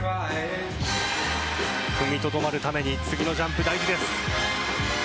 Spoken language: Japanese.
踏みとどまるために次のジャンプが大事です。